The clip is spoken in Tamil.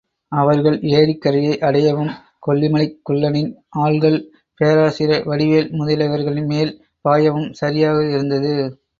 அவர்கள் ஏரிக்கரையை அடையவும், கொல்லிமலைக் குள்ளனின் ஆள்கள் பேராசிரியர் வடிவேல் முதலியவர்களின் மேல் பாயவும் சரியாக இருந்தது.